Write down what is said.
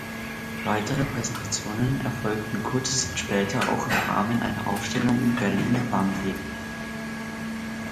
Weitere Präsentationen erfolgten kurze Zeit später auch im Rahmen einer Ausstellung in Berlin-Wannsee.